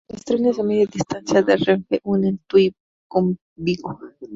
Los trenes de media distancia de Renfe, unen Tui con Vigo.